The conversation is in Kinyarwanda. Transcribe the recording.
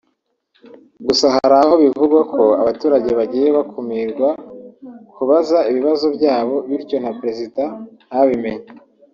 Gusa hari aho bivugwa ko abaturage bagiye bakumirwa kubaza ibibazo byabo bityo na Perezida ntabimenye